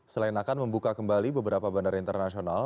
selain akan membuka kembali beberapa bandara internasional